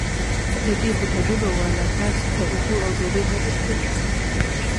د دې هوټلونو والا تاسې ته اوبه او ډوډۍ نه درکوي.